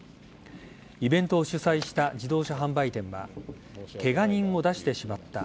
イベントを主催した自動車販売店はケガ人を出してしまった。